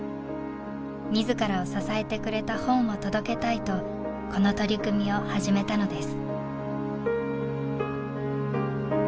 自らを支えてくれた本を届けたいとこの取り組みを始めたのです。